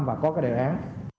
và có cái đề án